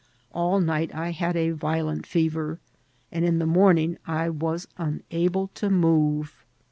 All night I had a violent fever, and in the morning I was unable to move.